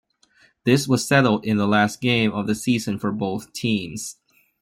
This was settled in the last game of the season for both teams.